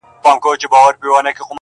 • غمی ورک سو د سړي پر سترګو شپه سوه,